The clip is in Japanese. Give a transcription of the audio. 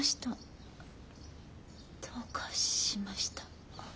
どうかしました？